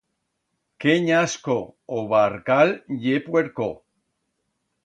Qué nyasco, o barcal ye puerco!!